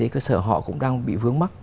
cơ sở họ cũng đang bị vướng mắc